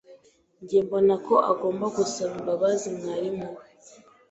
Njye mbona ko agomba gusaba imbabazi mwarimu we.